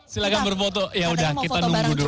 silahkan berfoto yaudah kita nunggu dulu